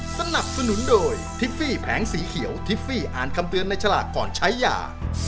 สนับสนุนโดยทิฟฟี่แผงสีเขียวทิฟฟี่อ่านคำเตือนในฉลากก่อนใช้ยา